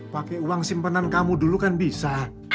pake uang simpenan kamu dulu kan bisa